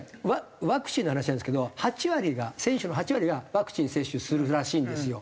ワクチンの話なんですけど８割が選手の８割がワクチン接種するらしいんですよ。